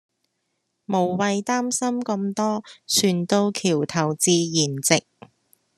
無謂擔心咁多船到橋頭自然直